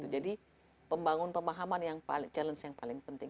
jadi pembangun pemahaman yang paling penting